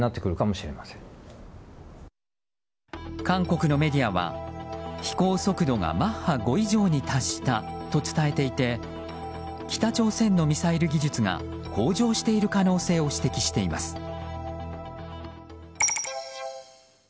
韓国のメディアは飛行速度がマッハ５以上に達したと伝えていて北朝鮮のミサイル技術が向上している可能性を指摘しています。